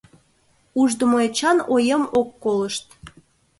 — Ушдымо Эчан оем ок колышт.